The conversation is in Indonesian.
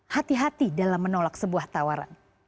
hati hati dalam menolak sebuah tawaran